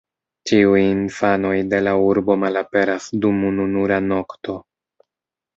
Ĉiuj infanoj de la urbo malaperas dum ununura nokto.